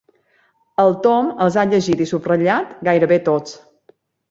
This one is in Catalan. El Tom els ha llegit i subratllat gairebé tots.